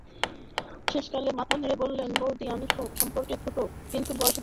শেষকালে মাথা নেড়ে বললে, বউদি, আমি সম্পর্কে ছোটো, কিন্তু বয়সে বড়ো।